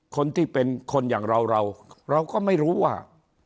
คนที่เป็นคนอย่างเราเราเราก็ไม่รู้ว่า